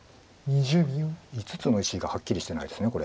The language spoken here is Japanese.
５つの石がはっきりしてないですこれ。